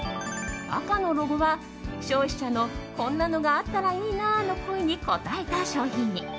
赤のロゴは消費者のこんなのがあったらいいなの声に応えた商品に。